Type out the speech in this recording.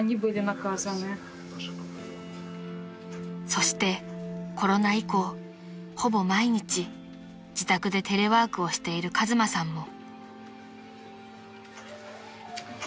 ［そしてコロナ以降ほぼ毎日自宅でテレワークをしている和真さんも］